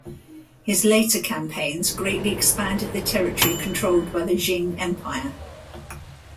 His later campaigns greatly expanded the territory controlled by the Qing Empire.